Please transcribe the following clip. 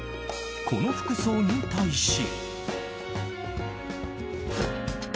この服装に対し。